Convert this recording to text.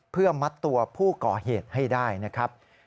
เพื่อมัดตัวผู้ก่อเหตุให้ได้นะครับ